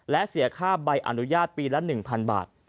และเสียค่าใบอนุญาตปีละ๑๐๐๐บาท